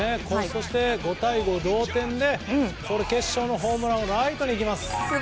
そして、５対５の同点で決勝のホームランがライトにいきます。